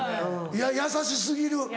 いや優し過ぎる。